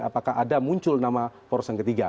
apakah ada muncul nama poros yang ketiga